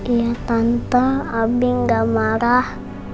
iya tante abi gak marah